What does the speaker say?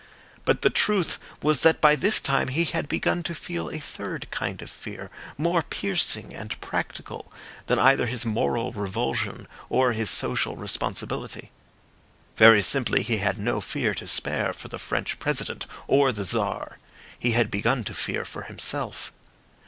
But the truth was that by this time he had begun to feel a third kind of fear, more piercing and practical than either his moral revulsion or his social responsibility. Very simply, he had no fear to spare for the French President or the Czar; he had begun to fear for himself.